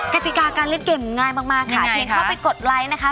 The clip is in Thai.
กติกาการเล่นเกมง่ายมากค่ะเพียงเข้าไปกดไลค์นะคะ